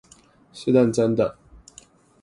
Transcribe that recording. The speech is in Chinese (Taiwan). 是認真的